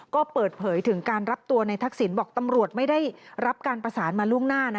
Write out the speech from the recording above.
ก็เปิดเผยถึงการรับตัวในทักษิณบอกตำรวจไม่ได้รับการประสานมาล่วงหน้า